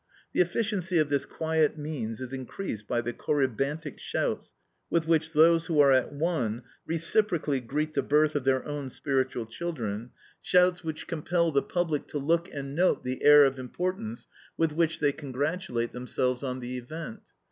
The efficiency of this quiet means is increased by the Corybantic shouts with which those who are at one reciprocally greet the birth of their own spiritual children—shouts which compel the public to look and note the air of importance with which they congratulate themselves on the event.